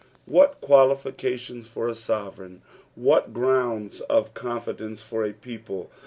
Whnt qualifications for a Bovereign ! what grounds of confidence for a people